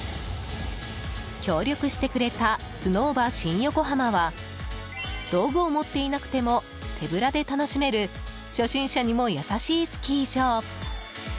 協力してくれたスノーヴァ新横浜は道具を持っていなくても手ぶらで楽しめる初心者にも優しいスキー場。